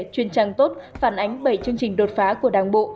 chuyên trang tốt phản ánh bảy chương trình đột phá của đảng bộ